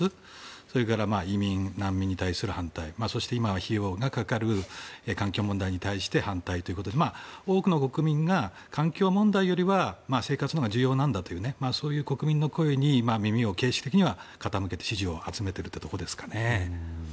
それから移民・難民に対する反対そして費用がかかる環境問題に対して反対ということで多くの国民が環境問題よりは生活のほうが重要なんだとそういう国民の声に耳を傾けて支持を集めてるってところですかね。